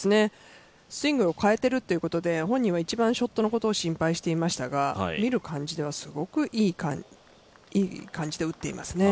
スイングを変えているということで、本人は一番ショットのことを心配していましたが見る感じではすごくいい感じで打っていますね。